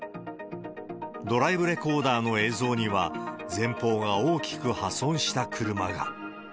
ドライブレコーダーの映像には、前方が大きく破損した車が。